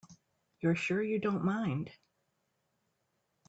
You're sure you don't mind?